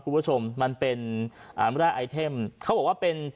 คุณผู้ชมมันเป็นอีเทมเขาบอกว่าเป็น